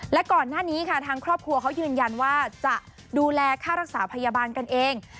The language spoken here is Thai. และก่อนหน้านี้ค่ะทางครอบครัวเขายืนยันว่าจะดูแลค่ารักษาพยาบาลกันเอง